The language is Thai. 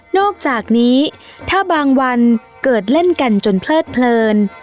อกจากนี้ถ้าบางวันเกิดเล่นกันจนเพลิดเพลิน